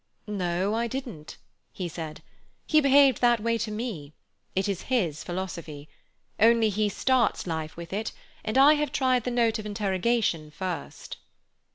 "No, I didn't," he said. "He behaved that way to me. It is his philosophy. Only he starts life with it; and I have tried the Note of Interrogation first."